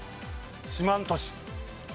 四万十市。